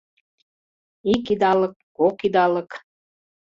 Ик идалык, кок идалык